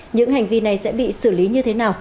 những hành vi này sẽ bị xử lý như thế nào